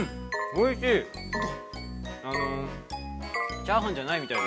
おいしい。